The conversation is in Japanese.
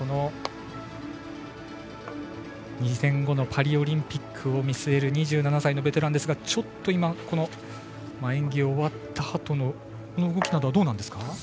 パリオリンピックを見据える２７歳のベテランですがちょっと今、演技終わったあとの動きはどうでしょうか。